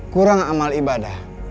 kurang amal ibadah